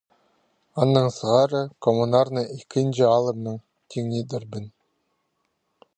Аннаң сығара Коммунарны ікінҷі аалымнаң тиңнидірбін.